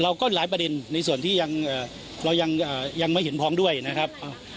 เราก็หลายประเด็นในส่วนที่เรายังไม่เห็นพ้องด้วยนะครับ